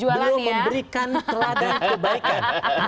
beliau memberikan teladan kebaikan